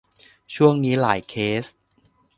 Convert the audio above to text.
ช่วงนี้หลายเคส